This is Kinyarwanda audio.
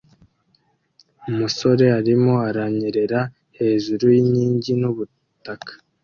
Umusore arimo aranyerera hejuru yinkingi nubutaka